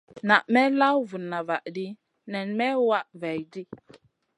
Na may law vuna vahdi nen may wah vaihʼdi.